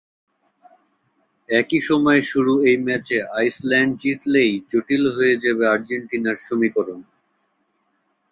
একই সময়ে শুরু ওই ম্যাচে আইসল্যান্ড জিতলেই জটিল হয়ে যাবে আর্জেন্টিনার সমীকরণ।